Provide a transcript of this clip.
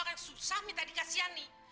ibu bisa aja